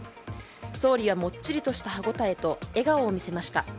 総理はもっちりとした歯ごたえと笑顔を見せました。